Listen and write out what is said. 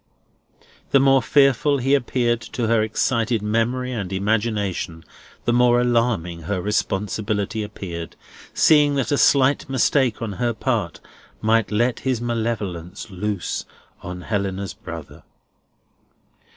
The more fearful he appeared to her excited memory and imagination, the more alarming her responsibility appeared; seeing that a slight mistake on her part, either in action or delay, might let his malevolence loose on Helena's brother.